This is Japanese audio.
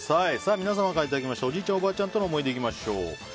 皆様からいただきましたおじいちゃん・おばあちゃんとの思い出いきましょう。